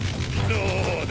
どうだ？